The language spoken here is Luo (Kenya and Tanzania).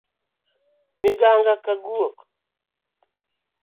Miganga ka guok